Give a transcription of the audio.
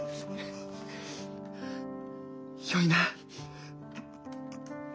よいな。